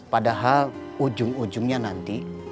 padahal ujung ujungnya nanti